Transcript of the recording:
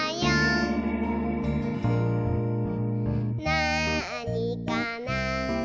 「なあにかな？」